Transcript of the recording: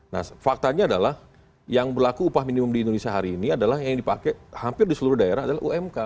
nah faktanya adalah yang berlaku upah minimum di indonesia hari ini adalah yang dipakai hampir di seluruh daerah adalah umk